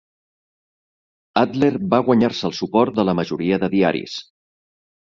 Adler va guanyar-se el suport de la majoria de diaris.